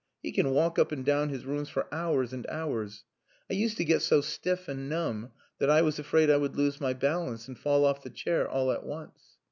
He can walk up and down his rooms for hours and hours. I used to get so stiff and numb that I was afraid I would lose my balance and fall off the chair all at once."